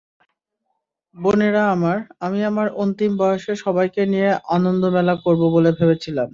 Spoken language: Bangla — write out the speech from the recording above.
বোনেরা আমার, আমি আমার অন্তিম বয়সে সবাইকে নিয়ে আনন্দমেলা করব বলে ভেবেছিলাম।